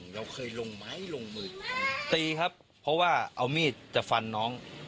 เราเคยลงไม้ลงมือตีครับเพราะว่าเอามีดจะฟันน้อง